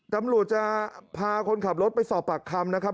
ตำรวจจะพาคนขับรถไปสอบปากคำนะครับ